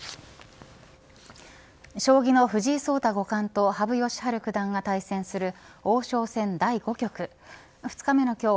将棋の藤井聡太五冠と羽生善治九段が対戦する王将戦第５局２日目の今日